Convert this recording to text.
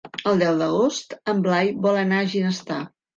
El deu d'agost en Blai vol anar a Ginestar.